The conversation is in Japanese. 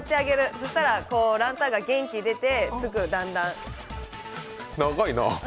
そしたらランタンが元気が出てすぐ、らんらん。